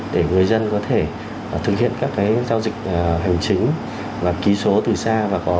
để người dân có thể thực hiện các cái giao dịch hành chính và ký số từ xa